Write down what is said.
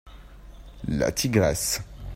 La tigresse.